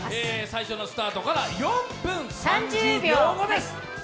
最初のスタートから４分３０秒後です。